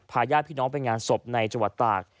ญาติพี่น้องไปงานศพในจังหวัดตาก